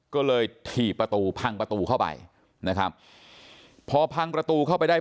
ก็เลยถีบประตูพังประตูเข้าไปนะครับพอพังประตูเข้าไปได้